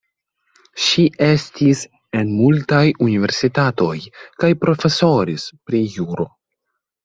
Ŝi estis en multaj universitatoj kaj profesoris pri juro.